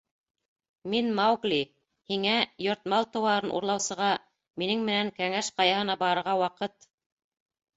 — Мин — Маугли! һиңә, йорт мал-тыуарын урлаусыға, минең менән Кәңәш Ҡаяһына барырға ваҡыт!